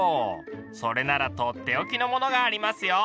それなら取って置きのものがありますよ。